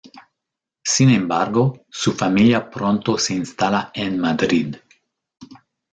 Sin embargo, su familia pronto se instala en Madrid.